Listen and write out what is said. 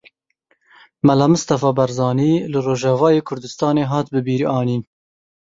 Mele Mistefa Barzanî li Rojavayê Kurdistanê hat bibîranîn.